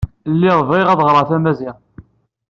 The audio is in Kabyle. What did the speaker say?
Lliɣ bɣiɣ ad ɣreɣ tamaziɣt.